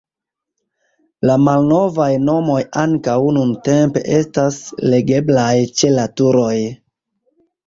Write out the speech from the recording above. La malnovaj nomoj ankaŭ nuntempe estas legeblaj ĉe la turoj.